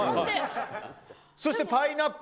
そしてパイナップル。